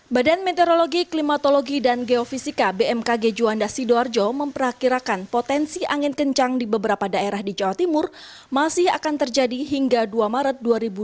badan meteorologi klimatologi dan geofisika bmkg juanda sidoarjo memperakirakan potensi angin kencang di beberapa daerah di jawa timur masih akan terjadi hingga dua maret dua ribu dua puluh